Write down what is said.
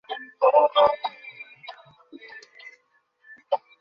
গতকাল বৃহস্পতিবার সকালে তাঁর শারীরিক অবস্থার অবনতি হলে দ্রুত হাসপাতালে নেওয়া হয়।